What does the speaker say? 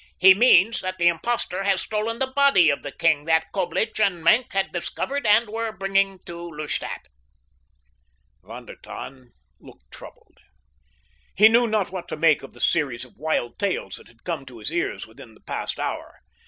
"He means that the impostor has stolen the body of the king that Coblich and Maenck had discovered and were bringing to Lustadt." Von der Tann looked troubled. He knew not what to make of the series of wild tales that had come to his ears within the past hour.